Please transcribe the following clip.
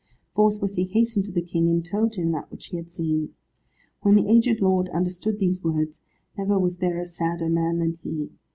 Forthwith he hastened to the King, and told him that which he had seen. When the agèd lord understood these words, never was there a sadder man than he.